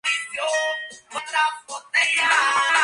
Finalmente, dejaron Vancouver y se mudaron a Hollywood.